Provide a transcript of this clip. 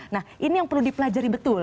nah ini yang perlu dipelajari betul